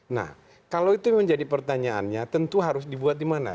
nah kalau itu menjadi pertanyaannya tentu harus dibuat di mana